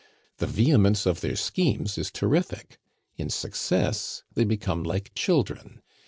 The vehemence of their schemes is terrific; in success they become like children.